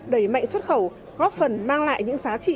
đẩy mạnh xuất khẩu góp phần mang lại những giá trị